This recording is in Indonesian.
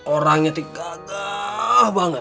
orangnya tinggal gagah banget